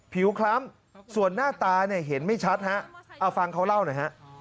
คล้ำส่วนหน้าตาเนี่ยเห็นไม่ชัดฮะเอาฟังเขาเล่าหน่อยฮะ